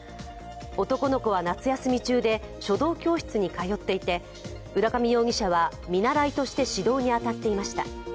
男の子は夏休み中で、書道教室に通っていて浦上容疑者は、見習いとして指導に当たっていました。